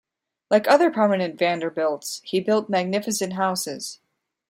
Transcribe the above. Like other prominent Vanderbilts, he built magnificent houses.